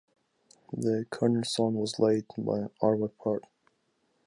The cornerstone was laid by Arvo Pärt.